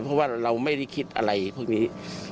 เพราะว่าเราไม่ได้คิดอะไรพวกนี้